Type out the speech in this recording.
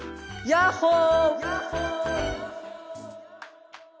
ヤッホー！